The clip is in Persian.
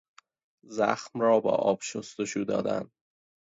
زخم را با آب شستشو دادن